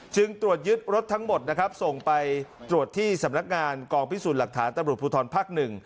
จึงตรวจยึดรถทั้งหมดนะครับส่งไปตรวจที่สำนักงานกองพิสูจน์หลักฐานตำรวจภูทรภาคหนึ่ง